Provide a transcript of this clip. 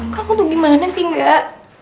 kamu tuh gimana sih gak